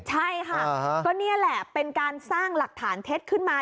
ใช่ค่ะก็นี่แหละเป็นการสร้างหลักฐานเท็จขึ้นมา